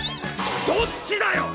どっちだよ！